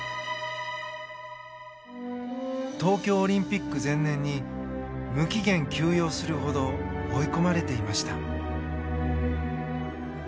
東京オリンピック前年に無期限休養するほど追い込まれていました。